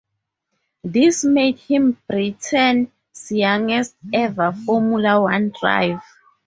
This made him Britain's youngest ever Formula One driver.